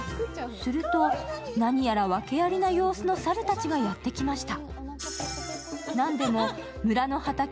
すると何やら訳ありな様子の猿たちがやってきました。